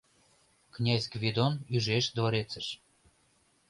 Князь Гвидон ӱжеш дворецыш